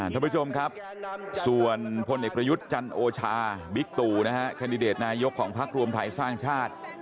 ท่านผู้ชมครับส่วนพลเอกประยุทธ์จันโอชาบิ๊กตู่นะฮะแคนดิเดตนายกของพักรวมไทยสร้างชาติ